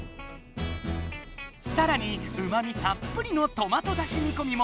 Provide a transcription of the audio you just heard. さらにうまみたっぷりのトマトだしにこみも。